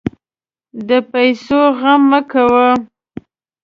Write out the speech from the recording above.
د پیسو غم مه کوه.